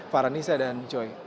farhanisa dan joy